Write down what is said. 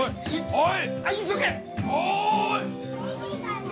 おい！